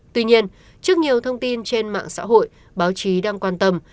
tuy nhiên trước nhiều thông tin trên mạng xã hội báo chí đang quan tâm